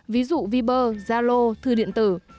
ví dụ viber zalo thư điện tử